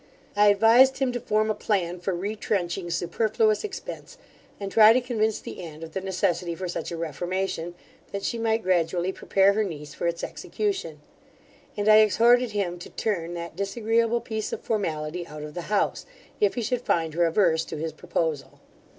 I advised him to form a plan for retrenching superfluous expence, and try to convince the aunt of the necessity for such a reformation, that she might gradually prepare her niece for its execution; and I exhorted him to turn that disagreeable piece of formality out of the house, if he should find her averse to his proposal.